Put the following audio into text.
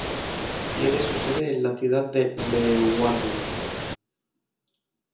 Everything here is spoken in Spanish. Tiene su sede en la ciudad de Leeuwarden.